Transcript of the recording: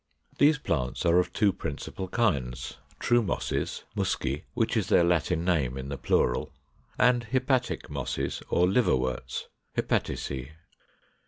These plants are of two principal kinds: true Mosses (Musci, which is their Latin name in the plural); and Hepatic Mosses, or Liverworts (Hepaticæ).